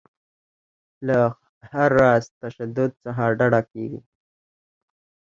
له هر راز تشدد څخه ډډه کیږي.